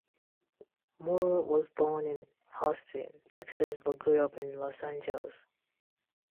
Moore was born in Austin, Texas, but grew up in Los Angeles.